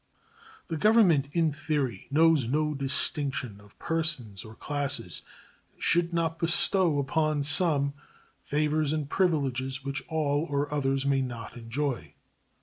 The Government in theory knows no distinction of persons or classes, and should not bestow upon some favors and privileges which all others may not enjoy.